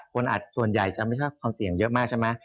ส่วนใหญ่จะไม่ชอบความเสี่ยงเยอะมากใช่ไหม